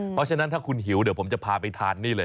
เพราะฉะนั้นถ้าคุณหิวเดี๋ยวผมจะพาไปทานนี่เลย